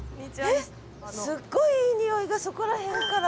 すっごいいい匂いがそこら辺から。